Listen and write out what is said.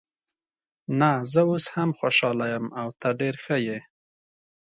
نه، زه اوس هم خوشحاله یم او ته ډېره ښه یې.